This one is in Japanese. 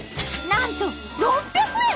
なんと６００円！